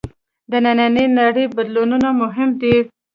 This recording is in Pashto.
د نننۍ نړۍ بدلونونه مهم دي.